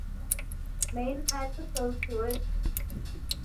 "Main article Jurists"